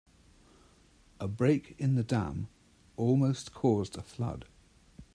A break in the dam almost caused a flood.